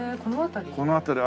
この辺り。